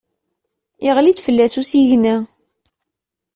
Yeɣli-d fell-as usigna.